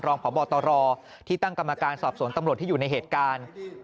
รองพบตรที่ตั้งกรรมการสอบสวนตำรวจที่อยู่ในเหตุการณ์